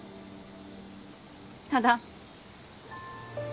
ただ。